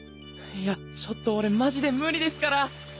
いやちょっと俺マジで無理ですから。